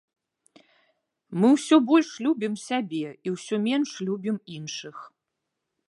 Мы ўсё больш любім сябе, і усё менш любім іншых.